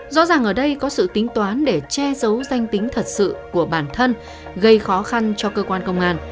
rõ ràng ở đây có sự tính toán để che giấu danh tính thật sự của bản thân gây khó khăn cho cơ quan công an